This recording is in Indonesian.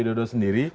yang sudah sendiri